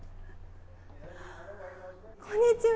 こんにちは。